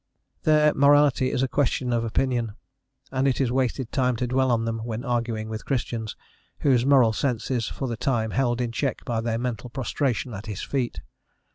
There morality is a question of opinion, and it is wasted time to dwell on them when arguing with Christians, whose moral sense is for the time held in check by their mental prostration at his feet.